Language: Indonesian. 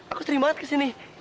aku telinga banget kesini